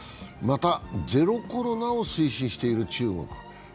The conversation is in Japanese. また、ゼロコロナを推進している中国。